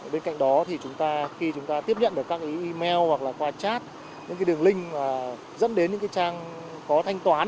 bên cạnh đó khi chúng ta tiếp nhận được các email hoặc qua chat những đường link dẫn đến những trang có thanh toán